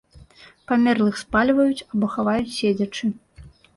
Памерлых спальваюць або хаваюць седзячы.